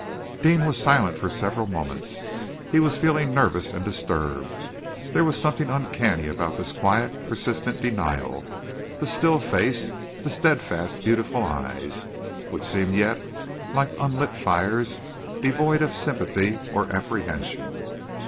Deane was silent for several moments. He was feeling nervous and disturbed. There was something uncanny about this quiet, persistent denial, the still face, the steadfast, beautiful eyes, which seemed yet like unlit fires devoid of sympathy or apprehension.